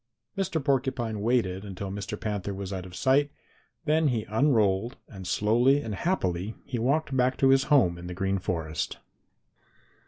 Mr. Porcupine waited until Mr. Panther was out of sight, then he unrolled, and slowly and happily he walked back to his home in the Green Forest.